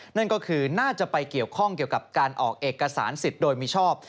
นั่นก็คือน่าจะไปเกี่ยวข้องเกี่ยวกับการออกเอกสารสิทธิ์โดยมิชอบ